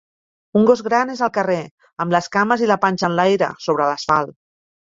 Un gos gran és al carrer, amb les cames i la panxa enlaire sobre l'asfalt.